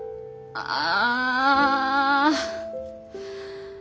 ああ。